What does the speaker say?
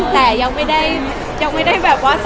แต่ยังไม่ได้สรุปอะไรเลยค่ะยังไม่ได้ประชุมฝีมอะไรเลยค่ะ